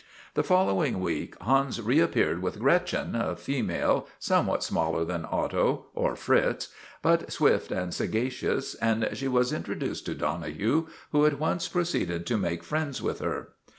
The following week Hans reappeared with Gretchen, a female, somewhat smaller than Otto or Fritz, but swift and sagacious, and she was intro duced to Donohue who at once proceeded to make friends with her.